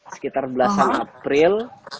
sekitar belasan april